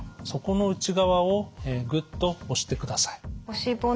そこの内側をぐっと押してください。